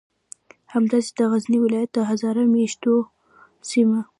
همداسې د غزنی ولایت د هزاره میشتو سیمو